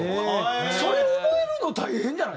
それ覚えるの大変じゃない？